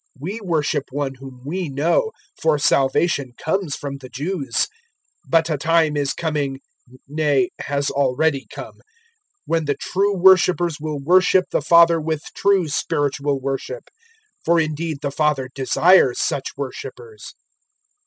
We worship One whom we know; for salvation comes from the Jews. 004:023 But a time is coming nay, has already come when the true worshippers will worship the Father with true spiritual worship; for indeed the Father desires such worshippers.